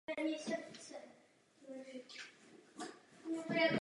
Byl jednou z největších osobností regionu po Sametové revoluci.